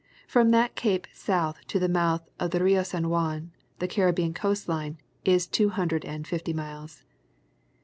From that cape south to the mouth of the Rio San Juan, the Caribbean coast line, is two hundred and fifty miles.